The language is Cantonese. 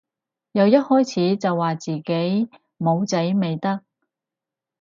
由一開始就話自己冇仔咪得